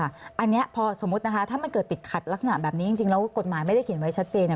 อันนี้พอสมมุตินะคะถ้ามันเกิดติดขัดลักษณะแบบนี้จริงแล้วกฎหมายไม่ได้เขียนไว้ชัดเจน